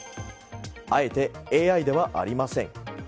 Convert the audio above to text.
あえてＡＩではありません。